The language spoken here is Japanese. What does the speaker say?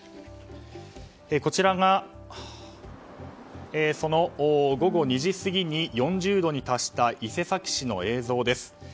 こちらが、その午後２時過ぎに４０度に達した伊勢崎市の映像です。